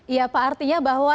ya pak artinya bahwa